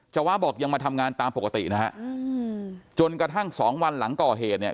ว้าบอกยังมาทำงานตามปกตินะฮะจนกระทั่งสองวันหลังก่อเหตุเนี่ย